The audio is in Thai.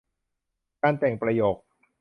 การแต่งประโยค